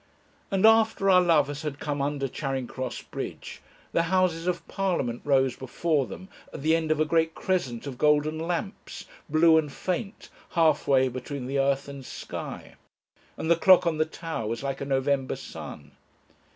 And after our lovers had come under Charing Cross Bridge the Houses of Parliament rose before them at the end of a great crescent of golden lamps, blue and faint, halfway between the earth and sky. And the clock on the Tower was like a November sun.